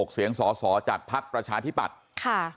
เสียงสอสอจากภักดิ์ประชาธิปัตย์ค่ะ